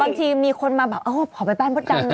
บางทีมีคนมาแบบเออขอไปบ้านพระทนนายหน่อย